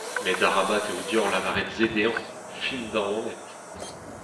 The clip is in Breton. Met arabat eo deoc’h lavaret se dezhañ, findaonet !…